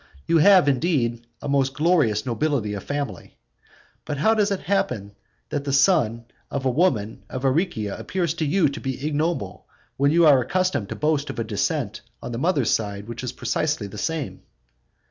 You have, indeed, a most glorious nobility of family! But how does it happen that the son of a woman of Aricia appears to you to be ignoble, when you are accustomed to boast of a descent on the mother's side which is precisely the same?